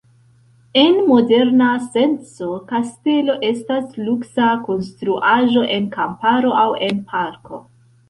En moderna senco kastelo estas luksa konstruaĵo en kamparo aŭ en parko.